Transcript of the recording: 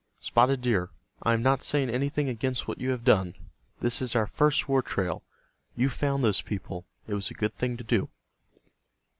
Spotted Deer, I am not saying anything against what you have done. This is our first war trail. You found those people. It was a good thing to do."